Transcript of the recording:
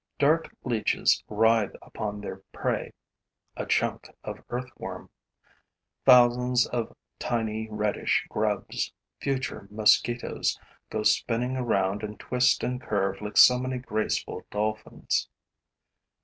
Dark leeches writhe upon their prey, a chunk of earthworm; thousands of tiny, reddish grubs, future mosquitoes, go spinning around and twist and curve like so many graceful dolphins.